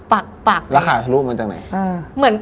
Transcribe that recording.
แล้วขาตระลุ่มั้นจากไหน